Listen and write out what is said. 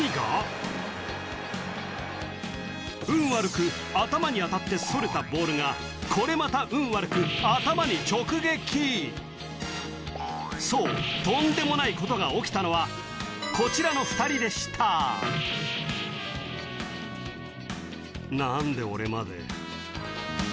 運悪く頭に当たってそれたボールがこれまた運悪く頭に直撃そうとんでもないことが起きたのはこちらの２人でした「何で俺まで」